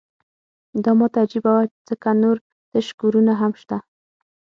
دا ماته عجیبه وه ځکه نور تش کورونه هم شته